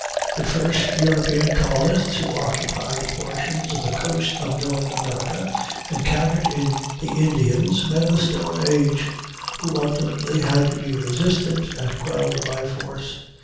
The first European colonists who occupied portions of the coast of North America encountered in the Indians men of the Stone Age, who ultimately had to be resisted and quelled by force.